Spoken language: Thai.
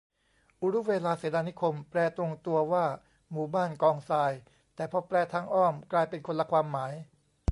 อุรุเวลาเสนานิคม แปลตรงตัวว่าหมู่บ้านกองทราย แต่พอแปลทางอ้อมกลายเป็นคนละความหมาย